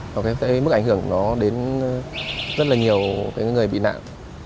và cái mức ảnh hưởng nó đến rất là nhiều cái người bị nạn